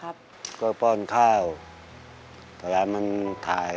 คุณหมอบอกว่าเอาไปพักฟื้นที่บ้านได้แล้ว